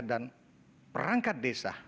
dan perangkat desa